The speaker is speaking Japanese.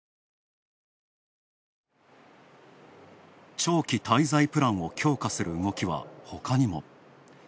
長期滞在プランを強化する動きは、ほかにも。